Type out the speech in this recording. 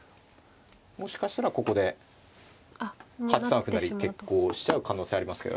もしかしたらここで８三歩成決行しちゃう可能性ありますけど。